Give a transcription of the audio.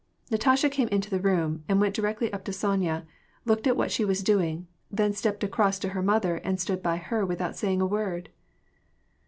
Natasha came into the room, and went directly up to Sonya, looked at what she was doing, then stepped across to her mother and stood by her without saying a word.